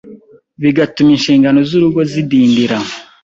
bigatuma inshingano z’urugo zidindira.